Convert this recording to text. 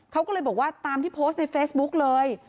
เขาก็เลยบอกว่าตามที่โพสต์ในเฟซบุ๊กเลย